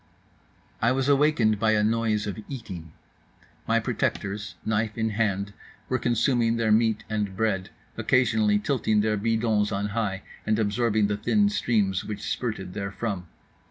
I was awakened by a noise of eating. My protectors, knife in hand, were consuming their meat and bread, occasionally tilting their bidons on high and absorbing the thin streams which spurted therefrom.